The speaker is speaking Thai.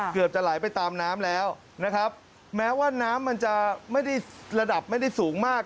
เกือบจะไหลไปตามน้ำแล้วนะครับแม้ว่าน้ำมันจะไม่ได้ระดับไม่ได้สูงมาก